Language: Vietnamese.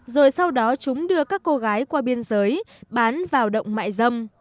rồi sau đó chúng đưa các cô gái qua biên giới bán vào động mại dâm